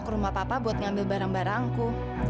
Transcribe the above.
ke rumah papa buat ngambil barang barangku